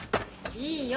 いいよ。